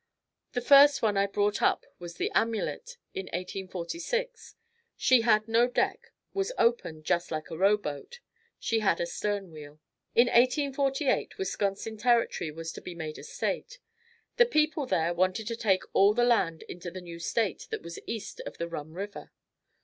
The first one I brought up was the Amulet in 1846. She had no deck, was open just like a row boat. She had a stern wheel. In 1848, Wisconsin Territory was to be made a State. The people there wanted to take all the land into the new state that was east of the Rum River.